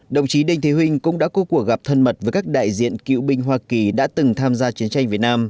đồng chí đinh thế huỳnh cũng đã có cuộc gặp thân mật với các đại diện cựu binh hoa kỳ đã từng tham gia chiến tranh việt nam